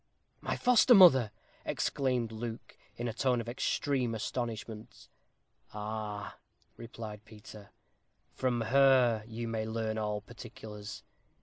"My foster mother!" exclaimed Luke, in a tone of extreme astonishment. "Ah," replied Peter, "from her you may learn all particulars.